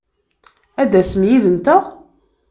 Ad d-tasem yid-nteɣ!